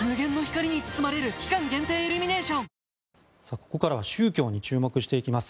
ここからは宗教に注目していきます。